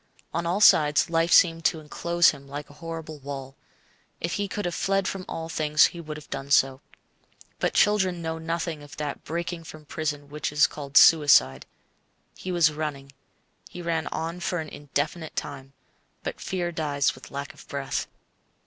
On all sides life seemed to enclose him like a horrible wall. If he could have fled from all things, he would have done so. But children know nothing of that breaking from prison which is called suicide. He was running. He ran on for an indefinite time; but fear dies with lack of breath.